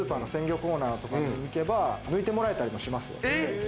スーパーの鮮魚コーナーとかに行けば、抜いてもらえたりもしますよ。